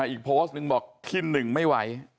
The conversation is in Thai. อีกโพสต์อีกนึงบอก